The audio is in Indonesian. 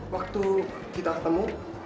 waktu kita ketemu